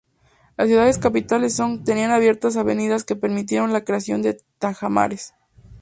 Las ciudades-capitales Song tenían abiertas avenidas que permitieron la creación de tajamares.